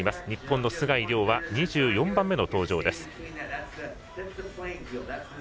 日本の須貝龍は２４番目の登場。